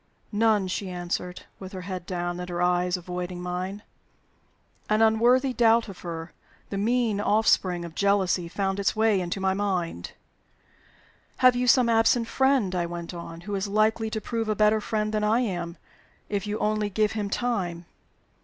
"None," she answered, with her head down, and her eyes avoiding mine. An unworthy doubt of her the mean offspring of jealousy found its way into my mind. "Have you some absent friend," I went on, "who is likely to prove a better friend than I am, if you only give him time?"